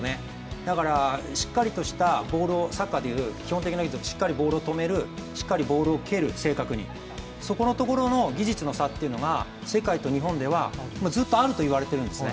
だから、しっかりとしたボールを、サッカーで言うと、しっかりボールを止めるしっかり正確にボールを蹴るそこのところの技術の差っていうのが世界と日本ではずっとあると言われているんですね。